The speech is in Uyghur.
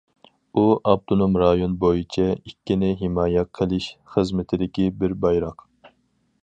ئۇ، ئاپتونوم رايون بويىچە ئىككىنى ھىمايە قىلىش خىزمىتىدىكى بىر بايراق.